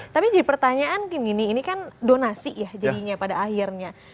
tapi jadi pertanyaan gini nih ini kan donasi ya jadinya pada akhirnya